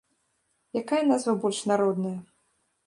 Якая назва больш народная?